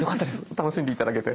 楽しんで頂けて。